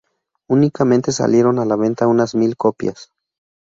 Únicamente salieron a la venta unas mil copias.